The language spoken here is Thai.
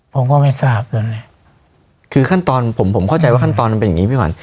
ผมก็ไม่ทราบใช่ไหมคือขั้นตอนผมผมเข้าใจว่าขั้นตอนมันเป็นอย่างงี้พี่ขวัญ